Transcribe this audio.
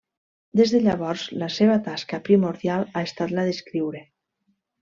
Des de llavors la seva tasca primordial ha estat la d'escriure.